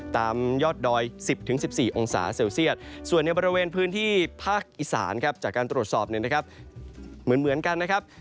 ตามยอดดอย๑๐๑๔องศาเซลเซียตส่วนในบริเวณพื้นที่ภาคอีสานครับจากการตรวจสอบเนี่ยนะครับเหมือนกันนะครับ